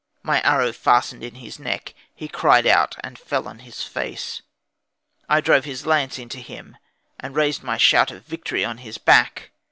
My arrow fastened in his neck, he cried out, and fell on his face: I drove his lance into him, and raised my shout of victory on his back.